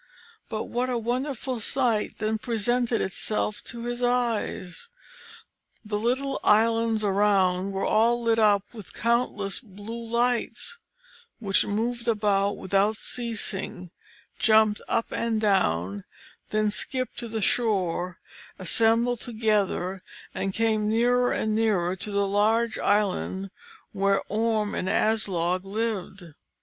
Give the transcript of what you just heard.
But what a wonderful sight then presented itself to his eyes! The little islands around were all lit up with countless blue lights, which moved about without ceasing, jumped up and down, then skipped to the shore, assembled together, and came nearer and nearer to the large island where Orm and Aslog lived.